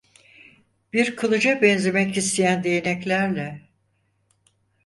Bir kılıca benzemek isteyen değneklerle.